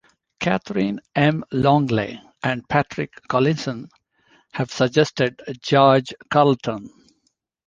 Kathryn M. Longley and Patrick Collinson have suggested George Carleton.